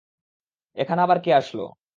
এখন আবার কে আসলো?